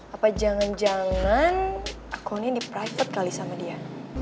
apa jangan jangan akunnya di private kali sama dia